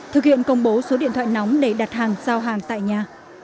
thực hiện công bố số điện thoại nóng để đặt hàng giao hàng tại nhà